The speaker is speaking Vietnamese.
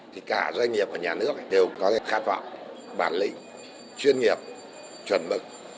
thì cả doanh nghiệp và nhà nước đều có cái khát vọng bản lĩnh chuyên nghiệp chuẩn mực